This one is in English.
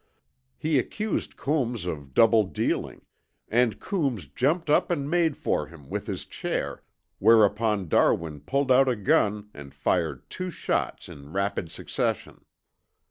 He accused Coombs of double dealing, and Coombs jumped up and made for him with his chair, whereupon Darwin pulled out a gun and fired two shots in rapid succession.